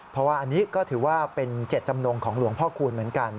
เพราะว่าอันนี้ก็ถือว่าเป็นเจ็ดจำนงของหลวงพ่อคูณเหมือนกัน